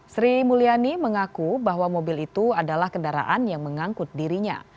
sri mulyani mengaku bahwa mobil itu adalah kendaraan yang mengangkut dirinya